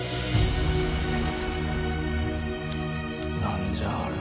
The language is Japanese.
何じゃあれは。